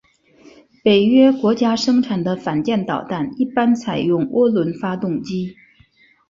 北约国家生产的反舰导弹一般采用涡轮发动机。